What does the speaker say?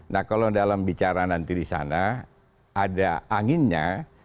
nah kalau dalam bicara nanti di sana ada anginnya